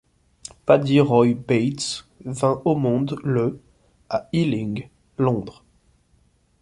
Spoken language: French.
Paddy Roy Bates vint au monde le à Ealing, Londres.